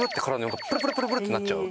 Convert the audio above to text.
プルプルプルってなっちゃう。